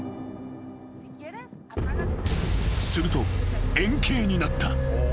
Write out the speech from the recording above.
［すると円形になった］